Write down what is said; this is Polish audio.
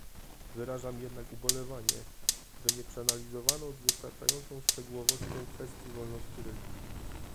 Wyrażam jednak ubolewanie, że nie przeanalizowano z wystarczającą szczegółowością kwestii wolności religii